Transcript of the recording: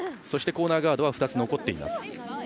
そしてコーナーガードは２つ残っています。